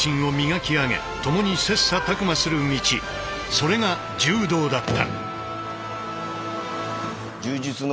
それが柔道だった。